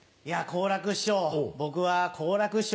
好楽師匠